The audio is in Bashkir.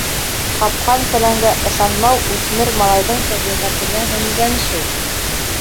Ҡапҡан-фәләнгә ышанмау үҫмер малайҙың тәбиғәтенә һеңгән шул.